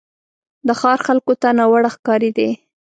د ښار خلکو ته ناوړه ښکارېدی.